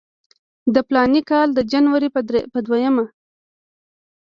د فلاني کال د جنورۍ پر دویمه.